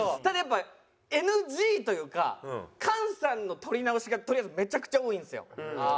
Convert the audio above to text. ただやっぱＮＧというか菅さんの撮り直しがとりあえずめちゃくちゃ多いんですよ。